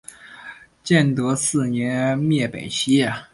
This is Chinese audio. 建德四年灭北齐。